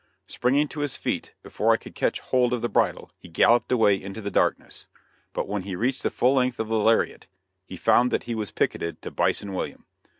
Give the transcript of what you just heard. Springing to his feet, before I could catch hold of the bridle, he galloped away into the darkness; but when he reached the full length of the lariat, he found that he was picketed to Bison William.